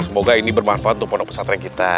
semoga ini bermanfaat untuk ponok pesatren kita